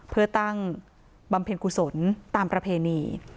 เพื่อตั้งบำเพ็ญกุศลตามประเพณี